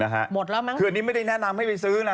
หมดแล้วมั้งคืออันนี้ไม่ได้แนะนำให้ไปซื้อนะ